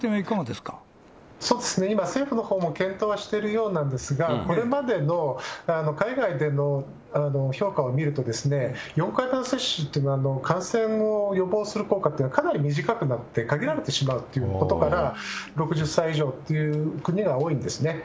そうですね、今、政府のほうも検討はしているようなんですが、これまでの海外での評価を見るとですね、４回目の接種というのは、感染を予防する効果というのは、かなり短くなって限られてしまうということから、６０歳以上という国が多いんですね。